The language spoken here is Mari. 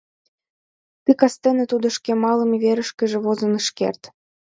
Ты кастене тудо шке малыме верышкыже возын ыш керт.